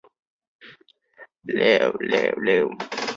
郑邦瑞是王守仁外甥。